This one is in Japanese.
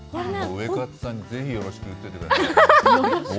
ウエカツさんにぜひよろしく言っといてください。